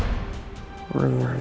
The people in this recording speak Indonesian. tidak ada apa apa